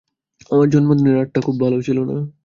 আমার জন্মদিনের রাতটা খুব ভালো ছিলনা।